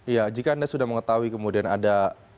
ya jika anda sudah mengetahui kemudian ada